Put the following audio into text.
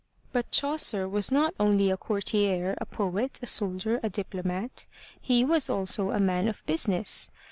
But Chaucer was not only a courtier, a poet, a soldier, a diplo mat. He. was also a man of business.